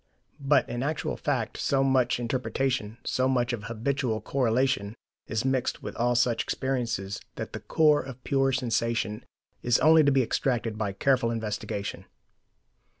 But in actual fact so much interpretation, so much of habitual correlation, is mixed with all such experiences, that the core of pure sensation is only to be extracted by careful investigation.